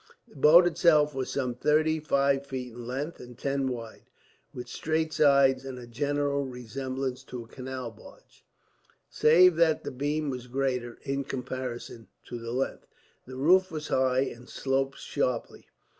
The boat itself was some thirty five feet in length and ten wide, with straight sides and a general resemblance to a canal barge, save that the beam was greater in comparison to the length. The roof was high, and sloped sharply.